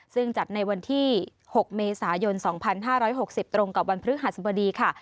ซึ่งจัดในวันที่๖เมษายน๒๕๖๐ตรงกับวันพฤหัสบดีค่ะ